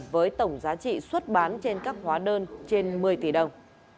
với tổng giá trị xuất bán trên các hóa đơn trên một mươi tỷ đồng